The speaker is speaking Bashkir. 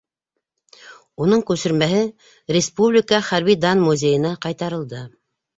Уның күсермәһе Республика Хәрби дан музейына ҡайтарылды.